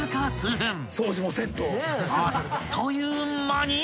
［あっという間に］